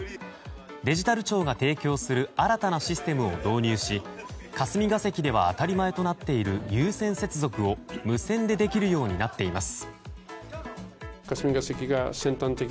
デジタル庁が提供する新たなシステムを導入し霞が関では当たり前となっている有線接続を無線でできるようになっています。